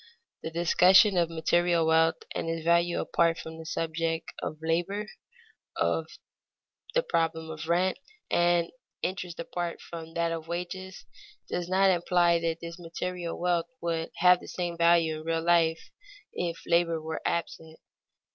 _ The discussion of material wealth and its value apart from the subject of labor, of the problem of rent and interest apart from that of wages, does not imply that this material wealth would have the same value in real life if labor were absent.